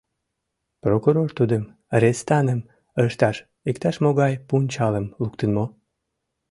Прокурор тудым рестаным ышташ иктаж-могай пунчалым луктын мо?..